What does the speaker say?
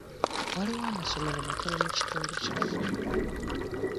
Waliwo amasomero matono mu kitundu kyaffe.